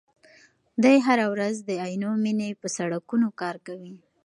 دی هره ورځ د عینومېنې په سړکونو کار کوي.